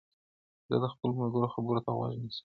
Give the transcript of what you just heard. زه د خپلو ملګرو خبرو ته غوږ نیسم.